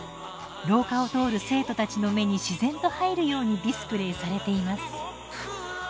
廊下を通る生徒たちの目に自然と入るようにディスプレーされています。